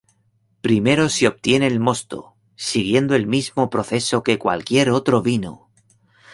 Primero se obtiene el mosto, siguiendo el mismo proceso que cualquier otro vino.